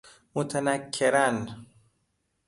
متنکراً